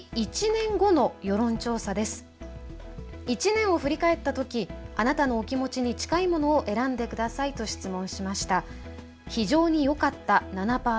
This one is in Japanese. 「１年を振り返った時あなたのお気持ちに近いものを選んで下さい」と質問しました。